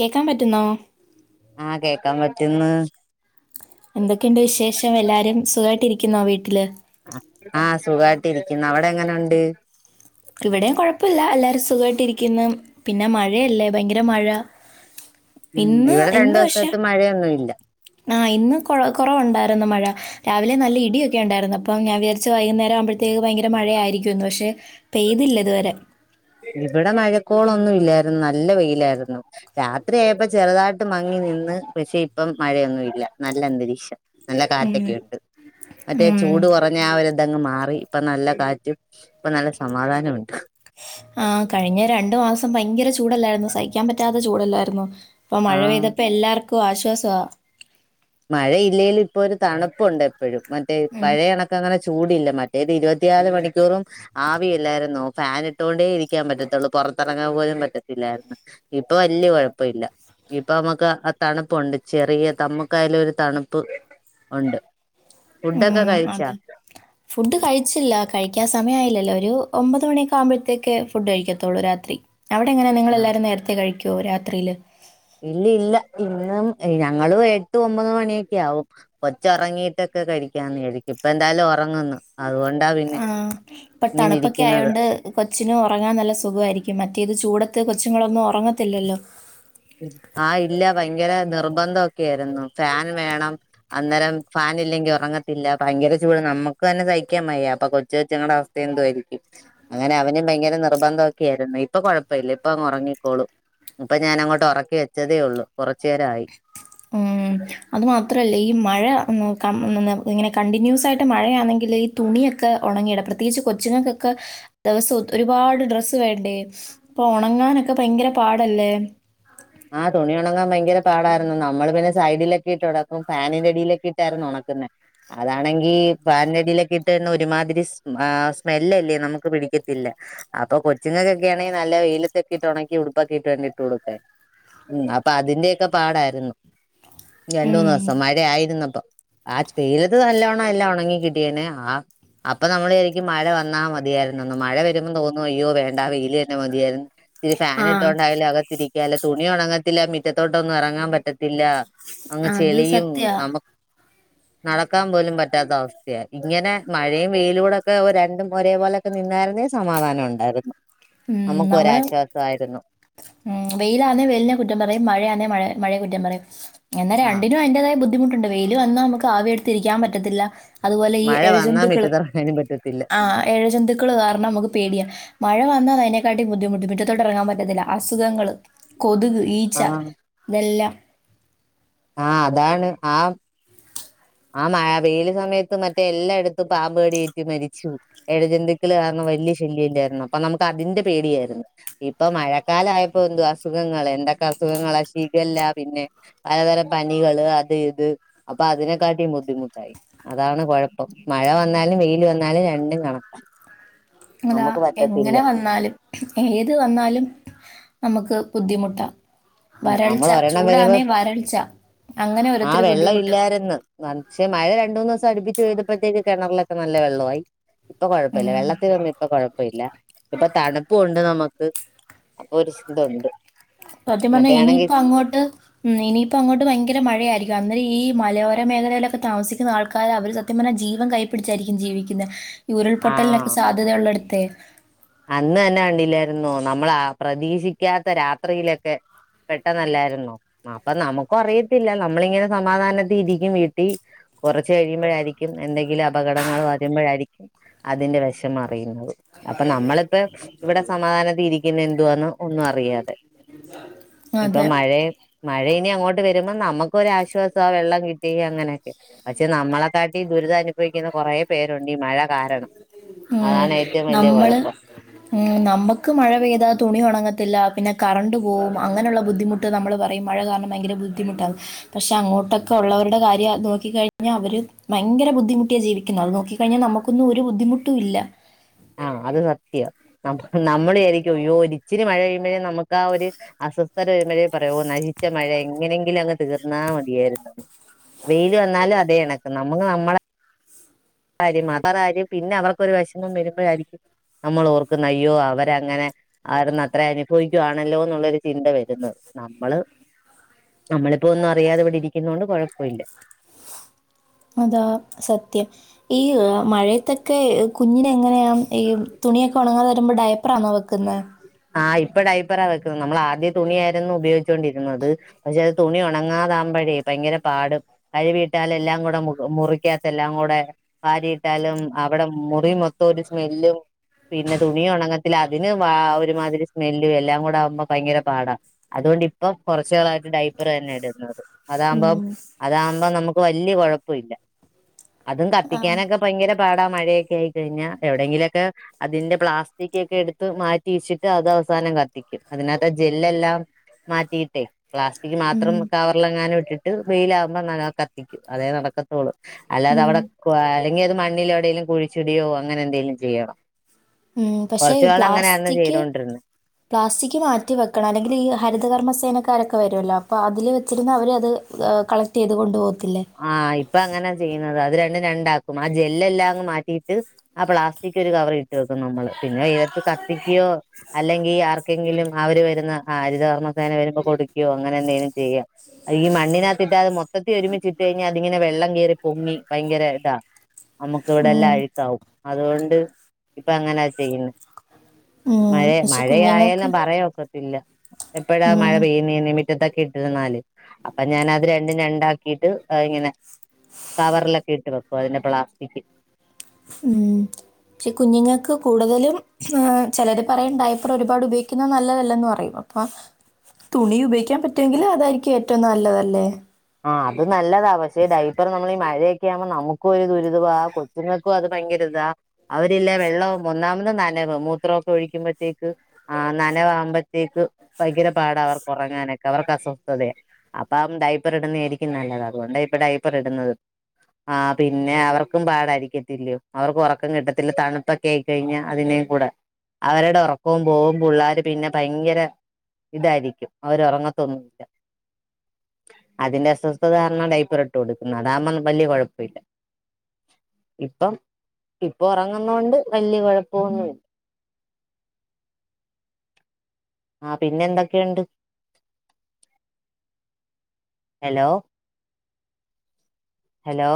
കേക്കാൻ പറ്റുന്നോ ആ കേക്കാൻ പറ്റ്ന്ന് ക്കുന്ന വീട്ടില് ആ സുഗായിട്ട് ഇരിക്കുന്നു അവിടെ എങ്ങനൊണ്ട് ഇവിടെയും കുഴപ്പല്ല എല്ലാരും സുഖായിട്ട് ഇരിക്കുന്നു പിന്നെ മഴയല്ലേ ഭയങ്കര മഴ ഉ ഇന്ന് ഇവിടെ രണ്ടു ദിവസായിട്ട് മഴയൊന്നുംല്ല ആഹ് ഇന്ന് കൊ കുറവുണ്ടായിരുന്നു മഴ രാവിലെ നല്ല ഇടിയൊക്കെ ഉണ്ടായിരുന്നു അപ്പം ഞാൻ വിചാരിച്ച വൈകുന്നേരം ആവുമ്പോഴത്തേക്ക് ഭയങ്കര മഴ ആയിരിക്കുംന്ന് പക്ഷെ പെയ്തില്ല ഇതുവരെ ഇവിടെ മഴക്കോളൊന്നും ഇല്ലായിരുന്നു നല്ല വെയിലായിരുന്നു രാത്രിയായപ്പ ചെറുതായിട്ട് മങ്ങി നിന്ന് പക്ഷെ ഇപ്പം മഴയൊന്നു ഇല്ല നല്ല അന്തരീക്ഷം നല്ല ഉം. കാറ്റക്കെ ഉണ്ട് മറ്റേ ഉം. ചൂട് കുറഞ്ഞ ആ ഒര് ഇതങ്ങ് മാറി ഇപ്പൊ നല്ല കാറ്റും ഇപ്പൊ നല്ല സമാധാനണ്ട് ആ കഴിഞ്ഞ രണ്ടു മാസം ഭയങ്കര ചൂടല്ലായിരുന്നോ സഹിക്കാൻ പറ്റാത്ത ചൂടല്ലായിരുന്നോ ഇപ്പ മഴ ആഹ് പെയ്തപ്പോ എല്ലാർക്കും ആശ്വാസവാ മഴയില്ലേൽ ഇപ്പൊ ഒരു തണുപ്പുണ്ട് എപ്പഴും മറ്റേ പഴയ കണക്ക് അങ്ങനെ ചൂടില്ല മറ്റേത് ഇരുപത്തിനാല് മണിക്കൂറും ആവിയല്ലായിരുന്നോ ഫാൻ ഇട്ടുകൊണ്ടേ ഇരിക്കാൻ പറ്റത്തുള്ളൂ പുറത്തിറങ്ങാൻ പോലും പറ്റത്തില്ലായിരുന്നു ഇപ്പൊ വലിയ കുഴപ്പ ഇല്ല ഇപ്പൊ നമുക്ക് ആ തണുപ്പുണ്ട് ചെറിയ നമുക കായാലും ഒരു തണുപ്പ് ഉണ്ട് ഫുഡൊക്കെ ഉം കഴിച്ചാ അതെ ഫുഡ് കഴിച്ചില്ല കഴിക്കാൻ സമയയായില്ലല്ലോ ഒരു ഒമ്പത് മണിയൊക്കെ ആകുമ്പോഴത്തേക്കേ ഫുഡ് കഴിക്കത്തുള്ളൂ രാത്രി അവിടെ എങ്ങനെ ആ നിങ്ങളെല്ലാരും നേരത്തെ കഴിക്കുവോ വോ രാത്രിയില് ഇല്ല ഇല്ല ഇന്നും ഞങ്ങളും എട്ട് ഒമ്പത് മണിയൊക്കെ ആവും കൊച്ച് ഉറങ്ങീട്ടൊക്കെ കഴിക്കാന്ന് വിചാരിക്കും ഇപ്പ എന്തായാലും ഉറങ്ങുന്നു അതുകൊണ്ടാ പിന്നെ ആ ഇപ്പൊ ഇങ്ങനെ തണുപ്പൊക്കെ ഇരിക്കുന്നത് ആയതോണ്ട് കൊച്ചിനും ഉറങ്ങാൻ നല്ല സുഖമായിരിക്കും മറ്റേത് ചൂടത്ത് കൊ ച്ച്ങ്ങളൊന്നും ഉറങ്ങത്തില്ലല്ലോ ആ ഇല്ല ഭയങ്കര നിർബന്ധൊക്കെ ആയിരുന്നു ഫാൻ വേണം അന്നേരം ഫാൻ ഇല്ലെങ്കി ഉറങ്ങത്തില്ല ഭയങ്കര ചൂട് നമ്മുക്ക് തന്നെ സഹിക്കാൻ മയ്യ അപ്പൊ കൊച്ചു കൊച്ചുങ്ങടെ അവസ്ഥ എന്തു ആരിക്കും അങ്ങനെ അവനും ഭയങ്കര നിർബന്ധംക്കെ ആയിരുന്നു ഇപ്പൊ കൊഴപ്പല്ല ഇപ്പ ഉറങ്ങിക്കോളൂ ഇപ്പൊ ഞാൻ അങ്ങോട്ട് ഉറക്കി വെച്ചതേ ഉള്ളൂ കുറച്ചുനേരായി ഉം അത് മാത്രല്ലേ ഈ മഴ ക ഇങ്ങനെ കണ്ടിന്യൂസ് ആയിട്ട് മഴയാണെങ്കില് ഈ തുണിയൊക്കെ ഉണങ്ങിട പ്രത്യേകിച്ച് കൊച്ചുങ്ങൾക്കൊക്കെ ദിവസം ഒരുപാട് ഡ്രസ്സ് വേണ്ടേ അപ്പൊ ഉണങ്ങാനൊക്കെ ഭയങ്കര പാടല്ലേ ആ തുണി ഉണങ്ങാൻ ഭയങ്കര പാടായിരുന്നു നമ്മള് പിന്നെ സൈഡിലൊക്കെ ഇട്ട് ഉണക്കും ഫാനിന്റെടിയിലൊക്കെ ഇട്ടായിരുന്നു ഉണക്കുന്നെ അതാണെങ്കി ഫാനിന്റടിയിലൊക്കെ ഇട്ട്ന്ന ഒരുമാതിരി സ് ആ സ്മെല്ലല്ലേ നമുക്ക് പിടിക്കത്തില്ല അപ്പൊ കൊച്ചുങ്ങക്കൊക്കെ ആണെങ്കി നല്ല വെയിലത്തൊക്കെ ഇട്ട് ഉണക്കി ഉടുപ്പൊക്കെ ഇട്ട് വേണ്ടി ഇട്ട് കൊടുക്കാൻ ഉം അപ്പൊ അതിന്റെക്കെ പാടായിരുന്നു രണ്ട് മൂന്ന് ഉം ദിവസം മഴ ആയിരുന്നപ്പൊ ആ വെയിലത്ത് നല്ലോണ്ണം എല്ലാം ഒണങ്ങി കിട്ടിയനെ ആ അപ്പൊ നമ്മള് ശരിക്കും മഴ വന്നാ മതിയായിരുന്നുന്ന് മഴ വരുമ്പോൾ തോന്നു അയ്യോ വേണ്ട വെയില് തന്നെ മതിയായിരുന്നു ഇച്ചിരി ഫാൻ ആഹ് ഇട്ടോണ്ടായാലും അകത്തിരിക്കാലോ ഉണങ്ങത്തില്ല മിറ്റത്തോട്ടൊന്നും ഇറങ്ങാൻ പറ്റത്തില്ല അങ്ങ് അത് ചെളിയും സത്യാ നമക്ക് നടക്കാൻ പോലും പറ്റാത്ത അവസ്ഥയാ. ഇങ്ങനെ മഴയും വെയിലൂടൊക്കെ രണ്ടും ഒരേപോലൊക്കെ നിന്നായിരുന്നേ സമാധാനം ഉണ്ടായിരുന്നു. ഉം നമുക്ക് നമ്മള് ഒരാശ്വാസമായിരുന്നു ഉം വെയി ലാന്നേ വെലിനെ കുറ്റം പറയും. മഴയാന്നേ മഴ മഴയെകുറ്റം പറയും. എന്നാ ആഹ് രണ്ടിനും അതിന്റേതായ ബുദ്ധിമു ണ്ട് വെയിലും വന്നാ നമുക്ക് ആവി എടുത്തിരിക്കാൻ പറ്റത്തില്ല. അതുപോലെ ഈ മഴ വന്നാ എഴജന്തുക്കൾ മിറ്റത്തിറങ്ങാനും പറ്റത്തില്ല ആ എഴജന്തുക്കൾ കാരണം നമുക്ക് പേടിയ. മഴ ന്നാതതിനെക്കാട്ടി ബുദ്ധിമുട്ട് മിറ്റത്തോട്ട് ഇറങ്ങാൻ പറ്റത്തില്ല. അസുഖങ്ങങ്ങള് കൊതുക്, ഈച്ച, ഇതെല്ലാം ആ അതാണ് ആ ആ മഴ വെയില് സമയത്ത് മറ്റേ എല്ലായിടത്തും പാമ്പ് കടിയേറ്റ് മരിച്ചു. ഏഴജന്തുക്കൾ കാരണം വലിയ ശല്യം ഇല്ലായിരുന്നു അപ്പൊ നമുക്ക് അതിന്റെ പേടിയായിരുന്നു ഇപ്പൊ മഴക്കാല ആയപ്പോ എന്തുവാ അസുഖങ്ങള്. എന്തൊക്കെ അസുഖങ്ങളാ ഷിഗല്ല പിന്നെ പലതരം പനികള് അത് ഇത് അപ്പൊ അതിനൊ ക്കാട്ടി ബുദ്ധിമുട്ടായി. അതാണ് കുഴപ്പം മഴ വന്നാലും വെയില് വന്നാലും രണ്ടും കണക്കാ. അതാ നമുക്ക് പറ്റത്തില്ല എങ്ങനെ വന്നാലും ഏത് വന്നാലും നമുക്ക് ബുദ്ധിമുട്ടാ. ഉം. നമ്മൾ വരൾച്ച ഒരെണ്ണം വരുമ്പോ ചൂടാന്നേ വരൾച്ച അങ്ങനെ ആ ഓരോരുത്തര് വെള്ളം ബുദ്ധിമുട്ട് ഇല്ലാരന്ന്. നനച്ച് മഴ രണ്ട് മൂന്ന് ദിവസം അടുപ്പി ച്ച് പെയ്തപ്പോഴത്തേക്ക് കിണറിലൊക്കെ നല്ല വെള്ളം ആയി. ഇപ്പൊ കുഴപ്പ ഇല്ല ഉം വെള്ളത്തിലൊന്നും ഇപ്പൊ കുഴ പ്പ ഇല്ല. ഇപ്പൊ തണുപ്പുണ്ട് നമുക്ക് അപ്പൊ ഒരു സ് ഇതൊണ്ട്. സത്യം പറഞ്ഞാൽ ഇനിയിപ്പ അങ്ങോട്ട് ഉം ഇനിയിപ്പ അങ്ങോട്ട് ഭയങ്കര മഴയായിരിക്കും അന്നേരം ഈ മലയോര മേഖലയിലൊക്കെ താമസിക്കുന്ന ആൾക്കാര് അവര് സത്യം പറഞ്ഞാൽ ജീവൻ കൈയിപ്പിടിച്ചായിരിക്കും ജീവിക്കുന്നത്. ഈ ആഹ് ഉരുൾപൊട്ടലിനൊക്കെ സാധ്യതുള്ള ട് ത്തെ അന്ന് തന്നെ കണ്ടല്ലായിരുന്നോ? നമ്മൾ പ്രതീക്ഷിക്കാത്ത രാത്രിയിലൊക്കെ പെട്ടെന്നല്ലായിരുന്നോ. അപ്പം നമുക്കും അറിയത്തില്ല നമ്മളിങ്ങനെ സമാധാനത്തി ഇരിക്കും വീട്ടി കുറച്ച് കഴിയുമ്പോഴായിരിക്കും എന്തെങ്കിലും അപകടങ്ങൾ വരുമ്പഴായിരിക്കും അതിന്റെ വെഷമം അറിയുന്നത്. അപ്പം നമ്മളിപ്പ ഇവിടെ സമാധാനത്തിരി ക്കിന്നെ എന്തുവാന്നോ? ഒന്നും അറിയാതെ. അതെ ഇപ്പം മഴയെ മഴ ഇനി അങ്ങോട്ട് വ രുമ്പം നമുക്കൊരാശ്വാസാ വെള്ളം കിട്ടി അങ്ങനെയൊക്കെ. പക്ഷെ നമ്മളെക്കാട്ടി ദുരിതം അനുഭവിക്കുന്ന കുറേ പേര് ണ്ടീ മഴ കാരണം. ഉം, അതാണ് ഏറ്റവും വലിയ കുഴ നമ്മള് ഉം. നമ്മക്ക് മഴ പെയ്താ തുണി ഉണങ്ങത്തില്ലാ പിന്നെ കറണ്ട് പോകും അങ്ങനെയുള്ള ബുദ്ധിമുട്ട് നമ്മൾ പറയും മഴ കാരണം ഭയങ്കര ബുദ്ധിമുട്ടാണ്. പക്ഷേ അങ്ങോട്ടൊക്കെ ഉള്ളവരുടെ കാര്യം നോക്കിക്കഴിഞ്ഞാൽ അവര് ഭയങ്കര ബുദ്ധിമുട്ടിയ ജീവിക്കുന്നേ. അത് നോക്കി കഴിഞ്ഞാൽ നമുക്കൊ ന്നും ഒരു ബുദ്ധിമുട്ടും ഇല്ല. ആ അത് സത്യവാ. ന നമ്മള് വിചാ രിക്കും ഉയ്യോ ഒരു ഇച്ചിരി മഴ പെയ്യുമ്പോഴേ നമുക്ക് ആ ഒരു അസ്വസ്ഥതവരുമ്പോഴേ പറയോ നശിച്ച മഴ എങ്ങനെങ്കിലും അങ്ങ് തീർന്നാ മതിയായിരുന്നു. വെയില് വന്നാലും അതേ കണക്ക് നമ്മുക്ക് നമ്മളെ കാര്യം മാ [unintelligible] കാര്യം പിന്നെ അവർക്കൊരു വിഷമം വരുമ്പഴായിരിക്കും നമ്മൾ ഓർക്കുന്നേ അയ്യോ അവരങ്ങനെ അവരന്ന് അത്ര അനുഭവിക്കുവാണല്ലോ എന്നുള്ളൊരു ചിന്ത വരുന്നത് നമ്മള് നമ്മളിപ്പോ ഒന്നും അറിയാതെ ഇവിടെ ഇരിക്കുന്നോണ്ട് കുഴപ്പ വില്ല. അതാ സത്യം. ഈ മഴയത്തൊക്കെ കുഞ്ഞിനെഎങ്ങനെയാ? ഈ തുണിയൊക്കെ ഒണങ്ങ മ്പ ഡയപ്രാന്നോ വെക്കുന്ന ആഹ് ഇപ്പടൈപ്പറ വെക്കുന്ന നമ്മൾ ആദ്യ തുണിയാരുന്നു ഉപയോഗിച്ചോണ്ടിരുന്നത് പക്ഷെ അത് തുണി ഒണങ്ങാതാമ്പോഴേ ഭയങ്കര പാട് കഴവിയിട്ടാല എല്ലാം കൂടെ മുറിക്കാത്ത എല്ലാം കൂടെ വാരിയിട്ടാലും അവിടെ മുറി മൊത്തം ഒരു സ്മെല്ലും പിന്നെ തുണി ഉണങ്ങത്തി അതിന് വാ ഒ തിരി സ്മെല്ലും എല്ലാം കൂടെ ആവുമ്പോ ഭയങ്കര പാടാ അതുകൊണ്ട് ഇപ്പൊ കുറച്ച കായിട്ട് ഡൈപ്പർ തന്നെ ഇടുന്നത് അതാമ്പോ ഉം. അതാമ്പോ നമു വല്യ കൊഴപ്പില്ല അതും കത്തിക്കാനൊക്കെ ഭയങ്കര പാടാ മഴയൊക്കെ ആയി കഴിഞ്ഞ എവിടെയെങ്കിലൊക്കെ അതിന്റെ പ്ലാസ്റ്റിക് ഒക്കെ എടുത്ത് മാറ്റി വെച്ചി അത് അവസാനം കത്തിക്കും അതിനകത്ത് ജെെല്ലെല്ലാം മാറ്റിട്ടേ പ്ലാസ്റ്റിക് ഉം. മാത്രം കവറൽ അങ്ങാനെ ഇ ട്ടി ട്ട് വെയിൽ ആമ്പോ ന കത്തിക്കും അതേ നടക്കത്തോുള്ളൂ അല്ലാതെ ഉം. അവിടെ [unintelligible] അല്ലെങ്കി അത് മണ്ണിൽ എവിടെെങ്കിലുംഴിച്ചുടിയോ അങ്ങനെ എന്തെലും ചെയ്യണം ഉം പക്ഷേ കുറച്ചു നാൾ അങ്ങനെയായിരുന്നു പ്ലാസ്റ്റിക് ചെയ്തോണ്ടിരുന്നത് പ്ലാസ്റ്റിക് മാറ്റി വെക്കണം അല്ലെങ്കിൽ ഈ ഹരിതകർമ്മ സേന ക്കാരൊക്കെ വരുല്ലോ അപ്പോൾ അതിൽ വെച്ചിരുന്ന് അവര അത് കളക്ട് ചെയ്ത് കൊണ്ട് പോും ആഹ് ഇപ്പൊ അങ്ങനാ ചെയ്യുന്നത് അതി രണ്ടാക്കും ആ ജെല്ലെല്ലാംങ് മാറ്റിയിട്ട് ആ പ്ലാസ്റ്റിക് ഒരു കവർ ഇട്ട് വെക്കും നമ്മള് പിന്നെ വെതത്ത് കത്തിക്കുകയോ അല്ലെങ്കിൽ ആർക്കെങ്കിലും അവര് വരുന്ന ആ ഹരിതകർമ്മ സേന വരുമ്പോ കൊടുക്കുകയോ അങ്ങനെ എന്തെങ്കിലും ചെയ്യാം ഈ മണ്ണിനകത്തിട്ട് അത് മൊത്തത്തി ഒരുമിച്ച് കഴിഞ്ഞാൽ അതിങ്ങനെ വെള്ളം കെ റി പൊങ്ങി ഭയങ്കര ഇതാ നമ്മുക്ക് ഇവിടെല്ലാം ഉം. അഴുക്കാവും അതുകൊണ്ട് ഇപ്പ അങ്ങനാ ചെയ്യുന്ന ഉം. മഴയ പക്ഷെ കുഞ്ഞുങ്ങൾക്ക് മഴയയലാം പറയാക്കത്തില്ല എപ്പഴാ മഴ ഉം. പെയ്യുന്നീ മുറ്റതൊക്കെ ഇട്ടിരുന്നാല് അപ്പൊ ഞാൻ അത് രണ്ടും രണ്ടാക്കിട്ട് ഇങ്ങനെ കവറിലൊക്കെ ഇട്ട് വെക്കും അതിന്റെ പ്ലാസ്റ്റിക് ഉം പക്ഷെ കുഞ്ഞുങ്ങൾക്ക് കൂടുതലും ചിലർ പറയും ഡായപ്പർ ഒരുപാട് ഉപയോഗിക്കുന്ന നല്ലതല്ലന്ന് പറയും അപ്പൊ തുണി ഉപയോഗിക്കാൻ പറ്റുമെങ്കിൽ അതായിരിക്കും ഏറ്റവും നല്ലതല്ലേ ആ അത നല്ലതാ പക്ഷെ ഡൈപ്പർ മ്മ മഴയൊക്കെ ആുമ്പോ നമുക്കും ദുരിതമാ കൊച്ചുങ്ങൾക്കും അത് ഭയങ്കരി ഇാ അവരില്ല വെള്ളം ഒന്നാമത് നനവ മൂത്രമ ഒക്കെ ഒഴിക്കുമ്പോത്തേക്ക് ആ നനവകുമ ത്തേക്ക് ഭയങ്കര പാട അവർക്ക് ഉറങ്ങാനൊക്കെ അവർക്ക് അസ്വസ്ഥതയ അപ്പ ൈപ്പർ ഇടുന്നത ആായിരിക്കും നല്ലത് അതുകൊണ്ട ഇപ്പൊ ഡൈപ്പർ ഇടുന്നത് ആ പിന്നെ അവർക്കും പാടായിരിക്കത്തില്ലോ അവർക്കും ഉറക്കം കിട്ടത്തില്ല തണുപ്പൊക്കെ ആയിക്ക കഴിഞ്ഞാ അതിനേയും കൂടെ അവരുടെ ഉറക്കവും പോം പിള്ളേർ പിന്നെ ഭയങ്കര ഇതായിരിക്കും അവര് ഉറങ്ങത്തൊന്നുല്ല അതിന്റെ അസ്വസ്ഥതാരണ ഡടൈപ്പ്റിൊട്ട് കൊടുക്കുന്നുഅതാമ്പോ വല്ിയ കുഴപ്പ ഇില്ല ഇപ്പം ഇപ്പൊ ഉറങ്ങുന്നൊണ്ട് വല്യ കുഴപ്പൊന്നുല്ല ആ പിന്നെ എന്തൊക്കെണ്ട് ഹലോ ഹലോ